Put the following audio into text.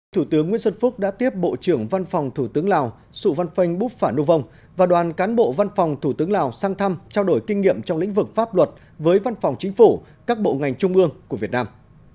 thủ tướng nguyễn xuân phúc đã tiếp bộ trưởng văn phòng thủ tướng lào sụ văn phanh bút phả nú vong và đoàn cán bộ văn phòng thủ tướng lào sang thăm trao đổi kinh nghiệm trong lĩnh vực pháp luật với văn phòng chính phủ các bộ ngành trung ương của việt nam